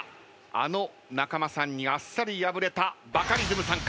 あの仲間さんにあっさり敗れたバカリズムさんか？